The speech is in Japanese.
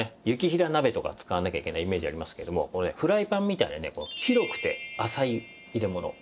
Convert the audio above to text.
雪平鍋とか使わなきゃいけないイメージありますけれどもフライパンみたいなねこう広くて浅い入れ物。